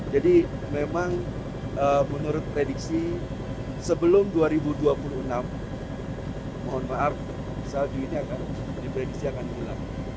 memang menurut prediksi sebelum dua ribu dua puluh enam mohon maaf salju ini akan diprediksi akan pulang